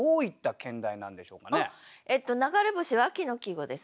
「流れ星」は秋の季語ですね。